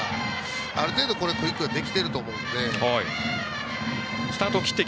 ある程度、クイックできていると思うので。